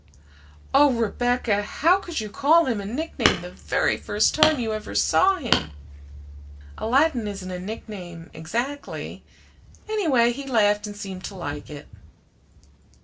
"Oh, Rebecca! how could you call him a nickname the very first time you ever saw him?" "Aladdin isn't a nickname exactly; anyway, he laughed and seemed to like it."